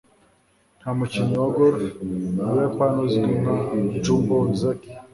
nta mukinnyi wa golf mu buyapani uzwi nka jumbo ozaki